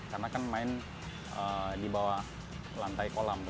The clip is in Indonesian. karena kan main di bawah lantai kolam